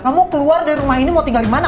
kamu keluar dari rumah ini mau tinggal dimana